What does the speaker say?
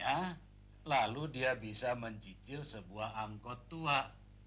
akhirnya dia bisa mencicil sebuah angkot tua lalu dirawat dan disopiri sendiri